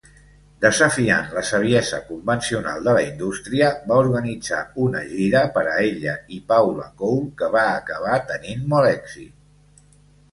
Desafiant la saviesa convencional de la indústria, va organitzar una gira per a ella i Paula Cole que va acabar tenint molt èxit.